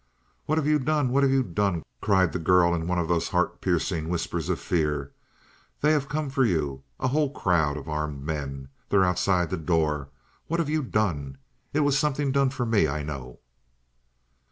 "What have you done, what have you done?" cried the girl, in one of those heart piercing whispers of fear. "They have come for you a whole crowd of armed men they're outside the door! What have you done? It was something done for me, I know!"